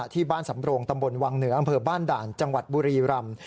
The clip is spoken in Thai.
ที่บ้านสำโรงตำบลวังเหนืออำเภอบ้านด่านจังหวัดบุรีรำ